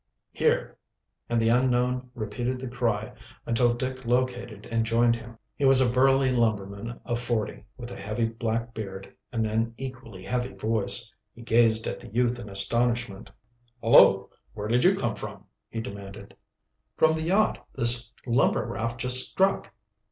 "Here." And the unknown repeated the cry until Dick located and joined him. He was a burly lumberman of forty, with a heavy black beard and an equally heavy voice. He gazed at the youth in astonishment. "Hullo! Where did you come from?" he demanded. "From the yacht this lumber raft just struck."